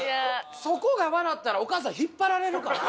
そこが笑ったらお母さん引っ張られるから。